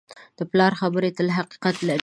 د پلار خبرې تل حقیقت لري.